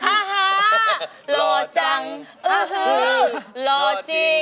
ฮ่าฮ่าหล่อจังอื้อฮือหล่อจริง